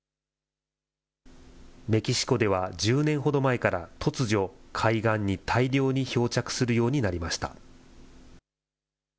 メキシコでは１０年ほど前から突如、海岸に大量に漂着するようになりました。